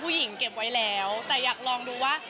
ผู้หญิงเก็บไว้แล้วแต่อยากลองดูว่า